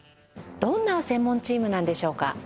どんな専門チームなんでしょうか？